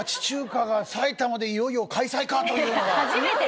埼玉でいよいよ開催か！というのが。